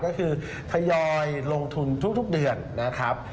ก็คือทยอยลงทุนทุกเดือนนะครับ